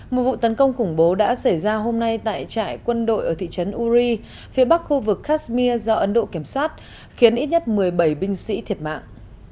một vụ tấn công khủng bố đã xảy ra hôm nay tại trại quân đội ở thị trấn uri phía bắc khu vực kashmir do ấn độ kiểm soát khiến ít nhất một mươi bảy binh sĩ thiệt mạng